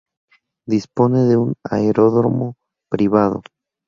Dispone de un aeródromo privado.